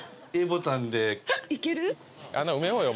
穴埋めようよ